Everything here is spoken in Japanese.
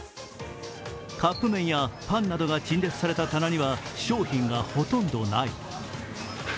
カップ麺やパンなどが陳列された棚には商品がほとんどない。